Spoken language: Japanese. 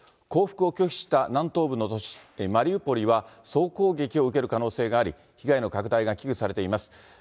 降伏を拒否した南東部の都市マリウポリは、総攻撃を受ける可能性があり、被害の拡大が危惧されています。